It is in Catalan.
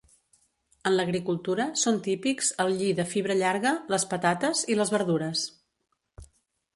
En l'agricultura són típics el lli de fibra llarga, les patates i les verdures.